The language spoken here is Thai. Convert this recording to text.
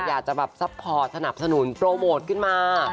อยากจะแบบซัพพอร์ตสนับสนุนโปรโมทขึ้นมา